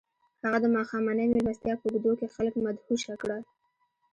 هغه د ماښامنۍ مېلمستیا په اوږدو کې خلک مدهوشه کړل